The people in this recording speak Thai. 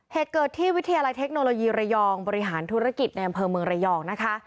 เหตุเกิดที่วิทยาลัยเทคโนโลยีระยองบริหารธุรกิจในอำเภอเมืองระยองนะคะ